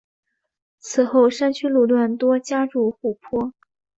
此后山区路段多加筑护坡。